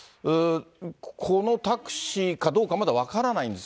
このタクシーかどうか、まだ分からないんです。